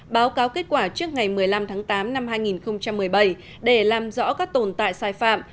báo cáo kết quả trước ngày một mươi năm tháng tám năm hai nghìn một mươi bảy để làm rõ các tồn tại sai phạm